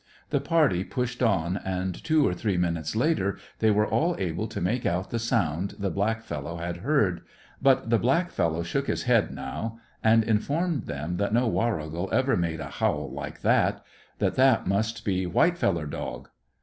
The party pushed on, and two or three minutes later they were all able to make out the sound the black fellow had heard. But the black fellow shook his head now, and informed them that no warrigal ever made a howl like that; that that must be "white feller dog."